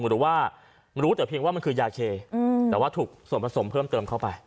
หรือว่ารู้แต่เพียงว่ามันคือยาเคแต่ว่าถูกส่วนผสมเพิ่มเติมเข้าไป